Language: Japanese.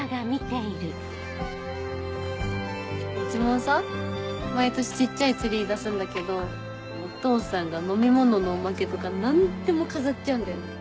うちもさ毎年小っちゃいツリー出すんだけどお父さんが飲み物のおまけとか何でも飾っちゃうんだよね。